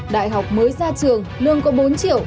đại học mới ra trường lương có bốn triệu